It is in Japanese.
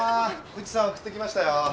内さん送ってきましたよ。